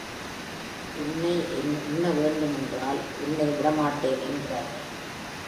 உன்னை உன்ன வேண்டுமென்றால் உன்ன விடமாட்டேன் என்கிறார்கள்.